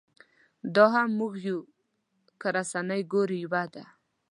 دا هم موږ یو که رسنۍ ګورې یوه ده.